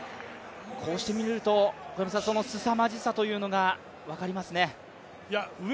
こうして見ると、そのすさまじさが分かりますね。